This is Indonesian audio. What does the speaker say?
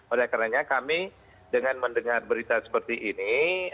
oleh karena kami dengan mendengar berita seperti ini